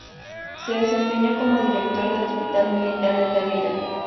Se desempeñó como Director del Hospital Militar de Tavira.